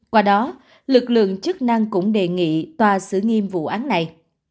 qua đó lực lượng chức năng cũng đề nghị tòa xử nghiêm vụ án này